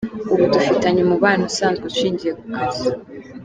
Ubu dufitanye umubano usanzwe ushingiye ku kazi.